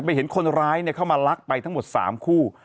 เห็นคนร้ายเข้ามาลักไปทั้งหมด๓คู่